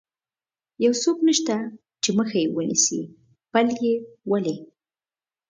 یو څوک نشته چې مخه یې ونیسي، پل یې ولې.